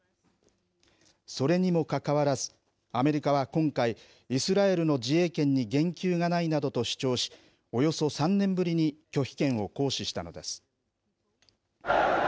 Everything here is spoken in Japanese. それにもかかわらずアメリカは今回イスラエルの自衛権に言及がないなどと主張しおよそ３年ぶりに拒否権を行使したのです。